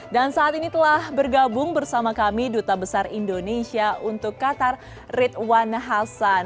dan saat ini telah bergabung bersama kami duta besar indonesia untuk qatar ridwan hasan